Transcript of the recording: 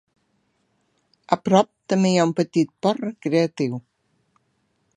A prop també hi ha un petit port recreatiu.